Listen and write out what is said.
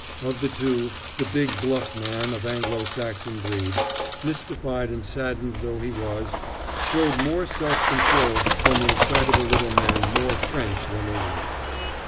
Of the two, the big bluff man of Anglo Saxon breed, mystified and saddened though he was, showed more self control than the excitable little man more French than English.